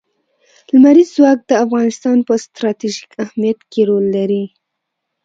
لمریز ځواک د افغانستان په ستراتیژیک اهمیت کې رول لري.